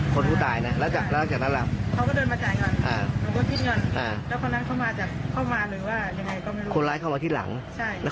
พอยิงเสร็จแล้วคนร้ายทำไง